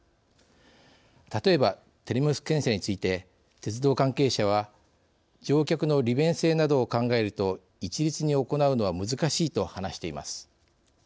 例えば、手荷物検査について鉄道関係者は「乗客の利便性などを考えると一律に行うのは難しい」と話しています。